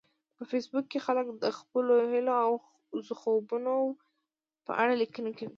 په فېسبوک کې خلک د خپلو هیلو او خوبونو په اړه لیکنې کوي